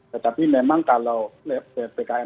tetapi memang kalau ppkm level tiga ini dibatalkan